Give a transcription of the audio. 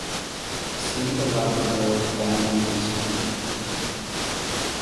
See The Labrador boundary dispute.